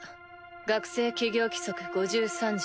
「学生起業規則５３条